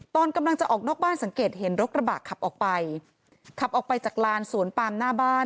ตอนกำลังจะออกนอกบ้านสังเกตเห็นรถกระบะขับออกไปขับออกไปจากลานสวนปามหน้าบ้าน